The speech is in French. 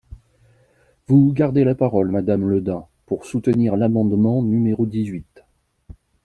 Vous gardez la parole, madame Le Dain, pour soutenir l’amendement numéro dix-huit.